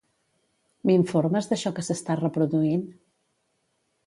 M'informes d'això que s'està reproduint?